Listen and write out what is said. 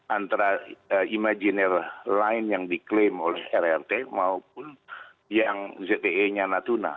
antara imajiner lain yang diklaim oleh rrt maupun yang zte nya natuna